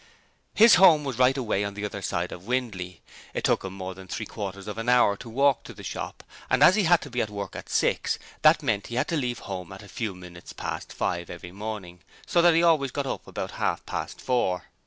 His home was right away on the other side of Windley. It took him more than three quarters of an hour to walk to the shop, and as he had to be at work at six, that meant that he had to leave home at a few minutes past five every morning, so that he always got up about half past four.